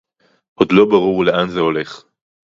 עוד לא ברור לאן זה הולך